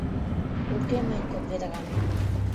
Уке мыйын кок ведрам.